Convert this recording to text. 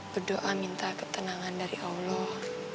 berdoa minta ketenangan dari allah